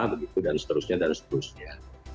begitu dan seterusnya dan seterusnya